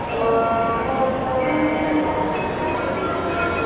สวัสดีครับ